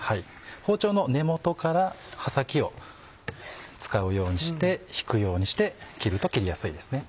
包丁の根元から刃先を使うようにして引くようにして切ると切りやすいですね。